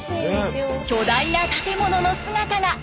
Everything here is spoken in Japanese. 巨大な建物の姿が。